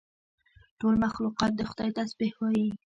ټول مخلوقات د خدای تسبیح وایي.